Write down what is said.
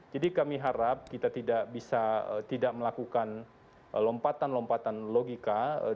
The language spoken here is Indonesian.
jadi kami harap kita tidak bisa tidak melakukan lompatan lompatan logika